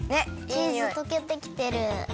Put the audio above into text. チーズとけてきてる。